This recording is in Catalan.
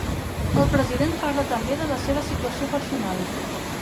El president parla també de la seva situació personal.